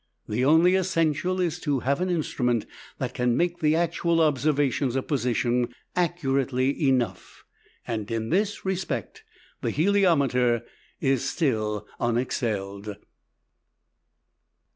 The only essential is to have an instrument that can make the actual observations of position accurately enough; and in this respect the heliometer is still unexcelled.